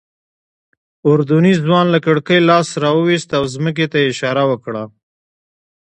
اردني ځوان له کړکۍ لاس راوویست او ځمکې ته یې اشاره وکړه.